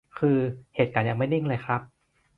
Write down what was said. คือ เหตุการณ์ยังไม่นิ่งเลยครับ